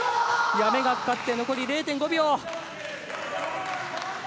やめがかかって残り０．５秒。